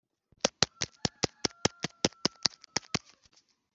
tudashobora kubona imana. muri bibiliya, ibyo biremwa byitwa